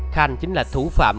khanh chính là thủ phạm